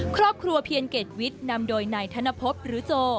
ครอบครัวเพียรเกรดวิทย์นำโดยนายธนภพหรือโจ